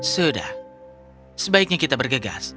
sudah sebaiknya kita bergegas